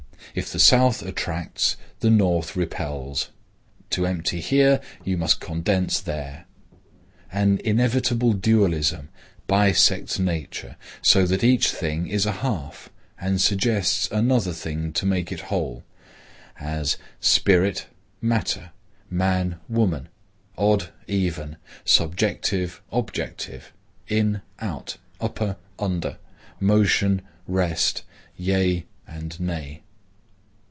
If the south attracts, the north repels. To empty here, you must condense there. An inevitable dualism bisects nature, so that each thing is a half, and suggests another thing to make it whole; as, spirit, matter; man, woman; odd, even; subjective, objective; in, out; upper, under; motion, rest; yea, nay.